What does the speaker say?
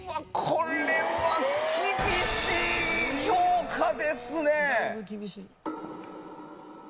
これは厳しい評価ですね！